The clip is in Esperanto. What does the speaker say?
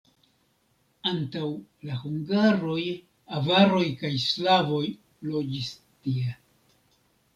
Antaŭ la hungaroj avaroj kaj slavoj loĝis tie.